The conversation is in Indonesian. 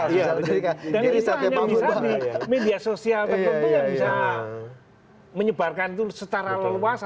dan itu hanya bisa di media sosial tentunya bisa menyebarkan itu secara luas